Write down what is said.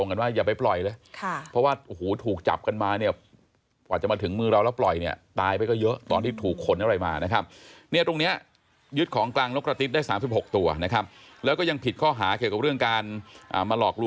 คือจะคล้ายกับนกกระจาบนกกระจอกที่จะมาใส่กรงแล้วก็ให้เราปล่อย